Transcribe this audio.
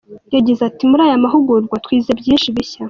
Yagize ati “Muri aya mahugurwa twize byinshi bishya.